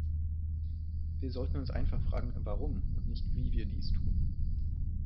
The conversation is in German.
Wir sollten uns einfach fragen, warum und nicht wie wir dies tun.